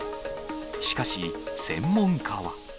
しかし、専門家は。